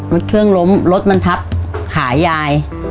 รถเครื่องล้มรถมันทับขายาย